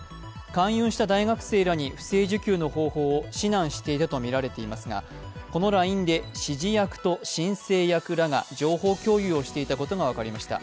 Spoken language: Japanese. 勧誘した大学生らに不正受給の方法などを指南したとみられていますがこのＬＩＮＥで指示役と申請役らが情報共有をしていたことが分かりました。